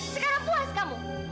sekarang puas kamu